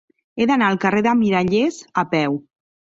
He d'anar al carrer de Mirallers a peu.